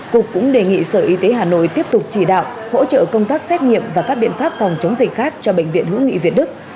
cục cũng đề nghị sở y tế hà nội tiếp tục chỉ đạo hỗ trợ công tác xét nghiệm và các biện pháp phòng chống dịch khác cho bệnh viện hữu nghị việt đức